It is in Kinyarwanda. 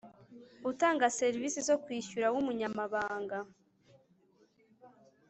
Utanga serivisi zo kwishyura w umunyamahanga